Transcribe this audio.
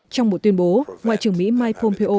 trong một tuyên bố ngoại trưởng mỹ mike pompeo